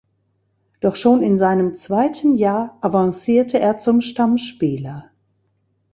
Doch schon in seinem zweiten Jahr avancierte er zum Stammspieler.